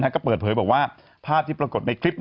ก็เปิดเผยบอกว่าภาพที่ปรากฏในคลิป